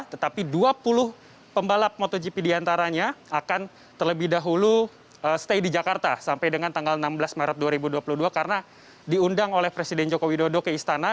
tetapi dua puluh pembalap motogp diantaranya akan terlebih dahulu stay di jakarta sampai dengan tanggal enam belas maret dua ribu dua puluh dua karena diundang oleh presiden joko widodo ke istana